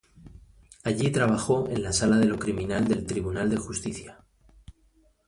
Allí trabajó en la Sala de lo Criminal del Tribunal de Justicia.